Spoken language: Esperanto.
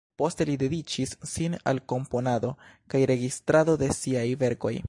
Poste li dediĉis sin al komponado kaj registrado de siaj verkoj.